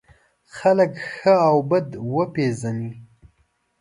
خلک ښه او بد وپېژني.